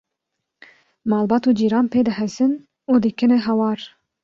malbat û cîran pê dihesin û dikine hewar